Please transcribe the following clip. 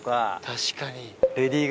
確かに。